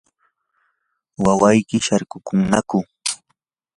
¿wawayki sharkushnaku?